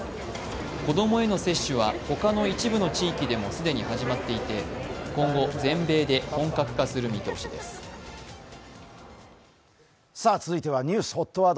子供への接種はほかの一部の地域でも既に始まっていて今後、全米で本格化する見通しです続いてはニュースＨＯＴワード。